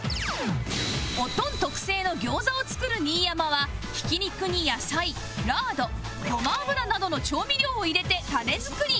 オトン特製の餃子を作る新山はひき肉に野菜ラードごま油などの調味料を入れてタネ作り